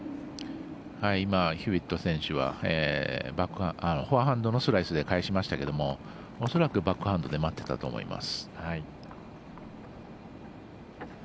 今、ヒューウェット選手はフォアハンドのスライスで返しましたけれども恐らくバックハンドで待ってたと思います。